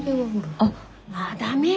あっダメよ